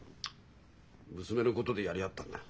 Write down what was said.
娘のことでやり合ったんだ。